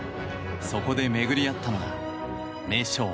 そこで巡り合ったのが名将